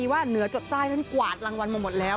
ที่ว่าเหนือจดใจกวาดรางวัลมาหมดแล้ว